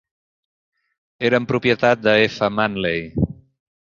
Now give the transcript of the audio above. Eren propietat de Effa Manley.